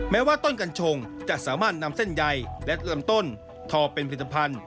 แม้ว่าต้นกัญชงจะสามารถนำเส้นใยและลำต้นทอเป็นผลิตภัณฑ์